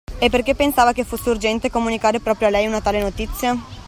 E perché pensava che fosse urgente comunicare proprio a lei una tale notizia?